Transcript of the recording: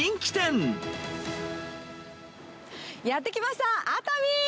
やって来ました、熱海ー！